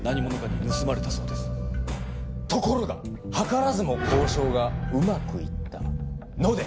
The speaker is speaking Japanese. ところが図らずも交渉がうまくいったので！